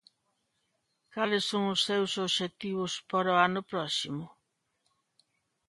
Cales son os seus obxectivos para o ano próximo?